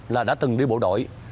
là đã từng đi bộ đội